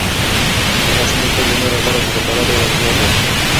دا ماشوم د کور د نورو غړو په پرتله ډېر هوښیار دی.